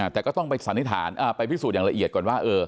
แต่ก็ต้องไปสันนิษฐานไปพิสูจน์อย่างละเอียดก่อนว่า